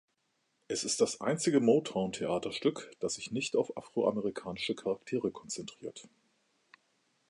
Es ist das einzige Motown-Theaterstück, das sich nicht auf afroamerikanische Charaktere konzentriert.